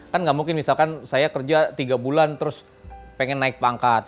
kan nggak mungkin misalkan saya kerja tiga bulan terus pengen naik pangkat